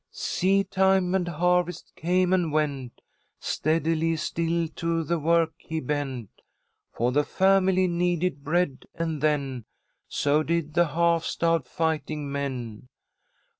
Seed time and harvest came and went, Steadily still to the work he bent, For the family needed bread, and then, So did the half starved fighting men.